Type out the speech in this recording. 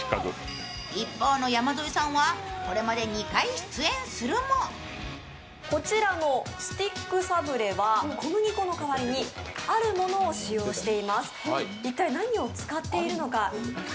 一方の山添さんはこれまで２回出演するもこちらのスティックサブレは小麦粉の代わりにあるものを使用しています、一体何を使っているのか。